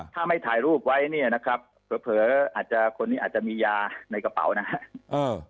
ถ้าไม่ถ่ายรูปไว้เนี่ยนะครับเผลออาจจะคนนี้อาจจะมียาในกระเป๋านะครับ